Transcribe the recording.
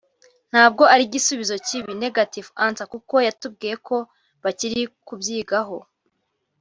“ntabwo ari igisubizo kibi (negative answer) kuko yatubwiye ko bakiri kubyigaho